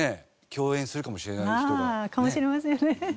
ああかもしれませんね。